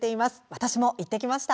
私も行ってきました。